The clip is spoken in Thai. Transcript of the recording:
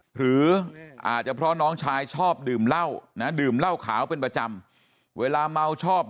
หรืออาจจะเพราะน้องชายชอบดื่มเหล้านะดื่มเหล้าขาวเป็นประจำเวลาเมาชอบ